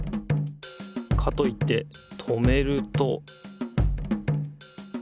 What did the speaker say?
かといって止めると。